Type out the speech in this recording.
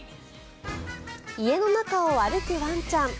家の中を歩くワンちゃん。